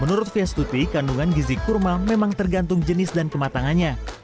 menurut fiestuti kandungan gizi kurma memang tergantung jenis dan kematangannya